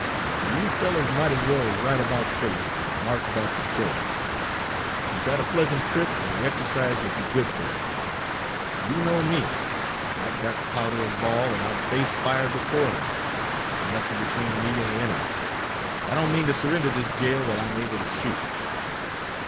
So you fellows might as well right about face, and march back to Troy. You've had a pleasant trip, and the exercise will be good for you. You know me. I've got powder and ball, and I've faced fire before now, with nothing between me and the enemy, and I don't mean to surrender this jail while I 'm able to shoot."